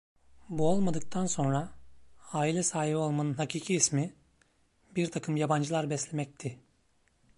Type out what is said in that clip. Bu olmadıktan sonra, aile sahibi olmanın hakiki ismi, "birtakım yabancılar beslemek" ti.